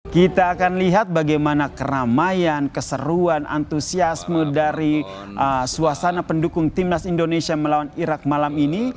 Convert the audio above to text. kita akan lihat bagaimana keramaian keseruan antusiasme dari suasana pendukung timnas indonesia melawan irak malam ini